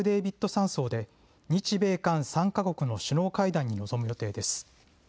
山荘で日米韓３か国の首脳会談に臨む予定です。